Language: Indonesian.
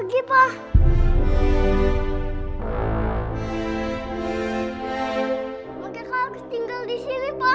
mekirka harus tinggal disini pak